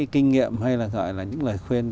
kinh nghiệm hay là gọi là những lời khuyên